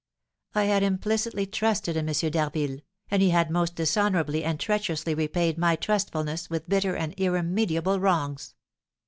I had implicitly trusted in M. d'Harville, and he had most dishonourably and treacherously repaid my trustfulness with bitter and irremediable wrongs.